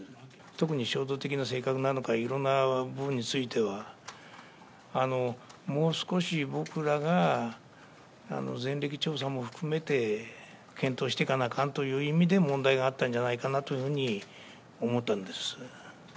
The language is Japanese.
特に衝動的な性格なのか、いろんな部分については、もう少し、僕らが前歴調査も含めて、検討していかなあかんという意味で、問題があったんじゃないかなというふうに思ったんです。